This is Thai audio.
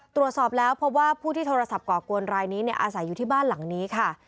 ตรวจสอบแล้วพบว่าผู้ที่โทรศัพท์ก่อกวนรายนี้อาศัยอยู่ที่บ้านหลังนี้ค่ะ